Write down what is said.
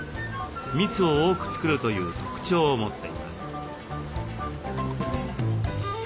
蜜を多く作るという特徴を持っています。